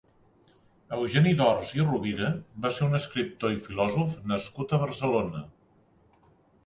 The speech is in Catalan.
Eugeni d'Ors i Rovira va ser un escriptor i filòsof nascut a Barcelona.